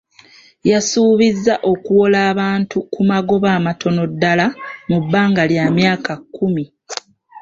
Yasuubizza okuwola abantu ku magoba amatono ddala mu bbanga lya myaka kumi.